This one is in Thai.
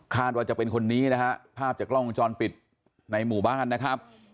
ว่าจะเป็นคนนี้นะฮะภาพจากกล้องวงจรปิดในหมู่บ้านนะครับ